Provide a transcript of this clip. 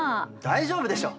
大丈夫でしょ！